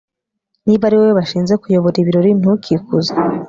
niba ari wowe bashinze kuyobora ibirori, ntukikuze